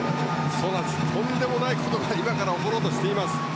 とんでもないことが今から起ころうとしています。